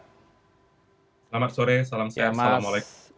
selamat sore selamat sehat salam oleh